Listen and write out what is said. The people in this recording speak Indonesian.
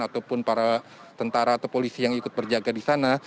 ataupun para tentara atau polisi yang ikut berjaga di sana